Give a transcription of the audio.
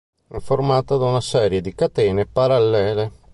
È formata da una serie di catene parallele.